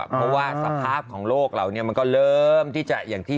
เพราะว่าสภาพของโลกเราเนี่ยมันก็ล่อมที่จะ